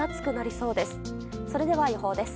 それでは予報です。